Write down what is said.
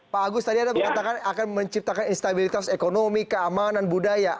pak agus tadi anda mengatakan akan menciptakan instabilitas ekonomi keamanan budaya